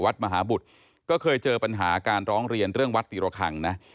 มหาบุตรก็เคยเจอปัญหาการร้องเรียนเรื่องวัดตีระคังนะ